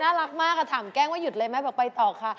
น่ารักมากค่ะถามแกล้งว่าหยุดเลยไหมบอกไปต่อค่ะ